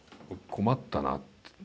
困ったな。